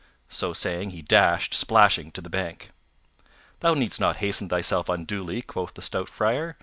So saying, he dashed, splashing, to the bank. "Thou needst not hasten thyself unduly," quoth the stout Friar.